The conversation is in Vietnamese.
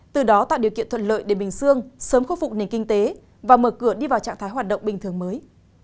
từ đó tạo điều kiện thuận lợi để bình dương sớm khôi phục nền kinh tế và mở cửa đi vào trạng thái hoạt động bình thường mới